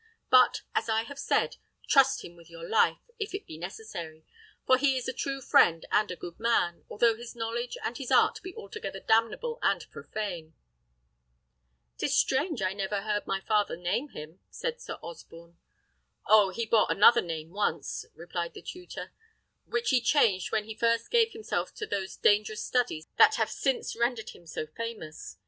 But, as I have said, trust him with your life, if it be necessary; for he is a true friend and a good man, although his knowledge and his art be altogether damnable and profane." "'Tis strange I never heard my father name him," said Sir Osborne. "Oh! he bore another name once," replied the tutor, "which he changed when he first gave himself to those dangerous studies that have since rendered him so famous.